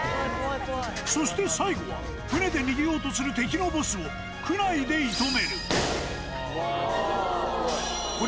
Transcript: そして最後は、船で逃げようとする敵のボスをクナイで射止める。